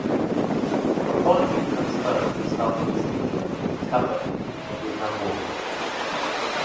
Upon being transferred to Southeast Asia, he covered the Vietnam War.